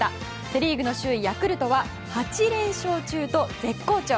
セリーグの首位ヤクルトは８連勝中と絶好調。